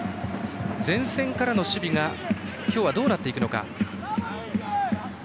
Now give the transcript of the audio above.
前線からの守備が今日はどうなっていくのか。